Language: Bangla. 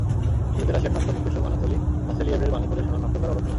শুরুতে রাশিয়ার নাট্য নির্দেশক আনাতোলি ভাসেলিয়েভের বাণী পড়ে শোনান নাট্যকার অলক ঘোষ।